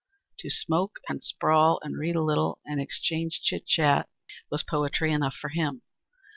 To smoke and sprawl and read a little, and exchange chit chat, was poetry enough for him.